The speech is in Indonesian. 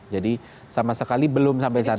jadi sama sekali belum sampai sana